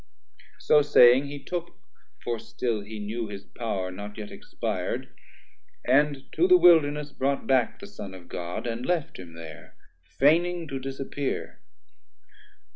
So saying he took (for still he knew his power Not yet expir'd) and to the Wilderness Brought back the Son of God, and left him there, Feigning to disappear.